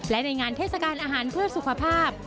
และในงานเทศกาลอาหารเพื่อสุขภาพ